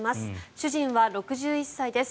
主人は６１歳です。